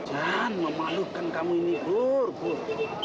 dan memalukan kamu ini bur